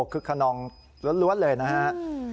คึกขนองล้วนเลยนะฮะ